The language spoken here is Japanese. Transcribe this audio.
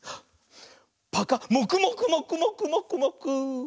もくもくもくもくもくもく！